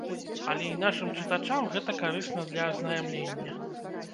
Але і нашым чытачам гэта карысна для азнаямлення.